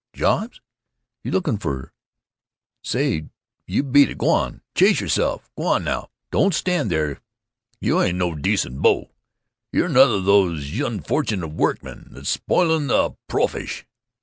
"Jobs? You looking for——Say, you beat it. Gwan. Chase yourself. Gwan now; don't stand there. You ain't no decent 'bo. You're another of those Unfortunate Workmen that's spoiling the profesh."